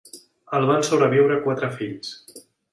El van sobreviure quatre fills.